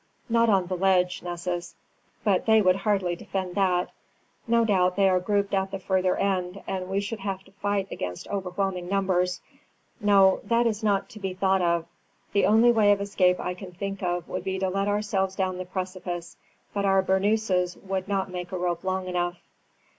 "Not on the ledge, Nessus; but they would hardly defend that. No doubt they are grouped at the further end, and we should have to fight against overwhelming numbers. No, that is not to be thought of. The only way of escape I can think of would be to let ourselves down the precipice; but our bernouses would not make a rope long enough."